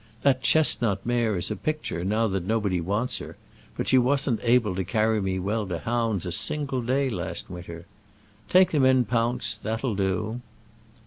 That chestnut mare is a picture, now that nobody wants her; but she wasn't able to carry me well to hounds a single day last winter. Take them in, Pounce; that'll do."